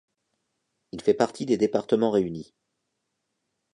Il fait partie des départements réunis.